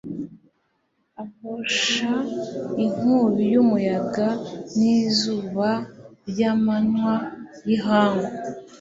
ahosha inkubi y'umuyaga n'izuba ry'amanywa y'ihangu